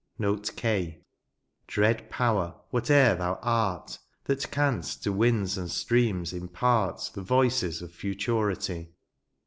Note K. Dread power, whatever thou art, That canst to winds and streams impart The voices ofjuturity."